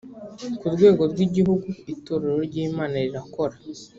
ku rwego rw igihugu itorero ry imana rirakora